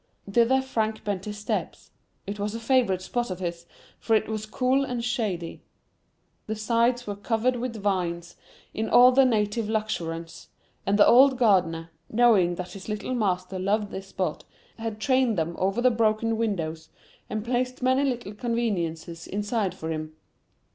Thither Frank bent his steps; it was a favorite spot of his, for it was cool and shady. The sides were covered with vines, in all their native luxuriance, and the old gardener, knowing that his little master loved this spot, had trained them over the broken windows, and placed many little conveniences inside for him.